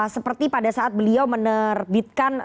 seperti pada saat beliau menerbitkan